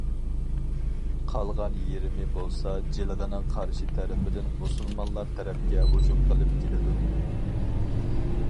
قالغان يېرىمى بولسا جىلغىنىڭ قارشى تەرىپىدىن مۇسۇلمانلار تەرەپكە ھۇجۇم قىلىپ كېلىدۇ.